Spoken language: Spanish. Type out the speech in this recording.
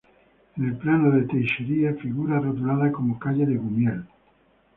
En el plano de Teixeira figura rotulada como ‘calle de Gumiel’.